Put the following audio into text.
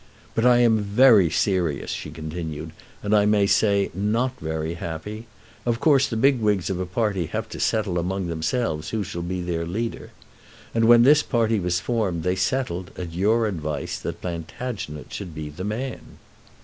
"But I am very serious," she continued, "and I may say not very happy. Of course the big wigs of a party have to settle among themselves who shall be their leader, and when this party was formed they settled, at your advice, that Plantagenet should be the man."